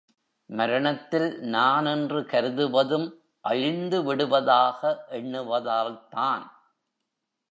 மரணத்தில் நான் என்று கருதுவதும் அழிந்து விடுவதாக எண்ணுவதால்தான்.